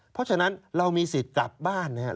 เพราะฉะนั้นเรามีสิทธิ์กลับบ้านนะครับ